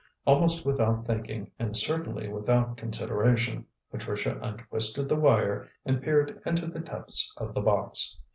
Almost without thinking, and certainly without consideration, Patricia untwisted the wire and peered into the depths of the box.